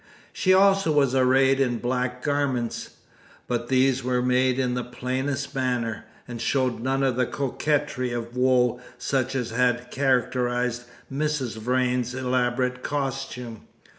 She also was arrayed in black garments, but these were made in the plainest manner, and showed none of the coquetry of woe such as had characterised Mrs. Vrain's elaborate costume.